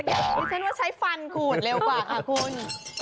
ดิฉันว่าใช้ฟันขูดเร็วกว่าค่ะคุณ